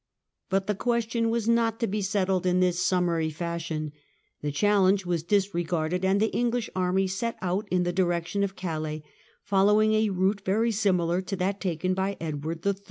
But the question was not to be settled in this summary fashion ; the challenge was disregarded and the English army set out in the direction of Calais, following a route very similar to that taken by Edward III.